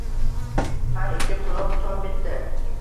har ikki quloq tom bitdi